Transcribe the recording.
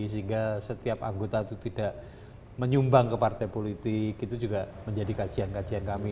sehingga setiap anggota itu tidak menyumbang ke partai politik itu juga menjadi kajian kajian kami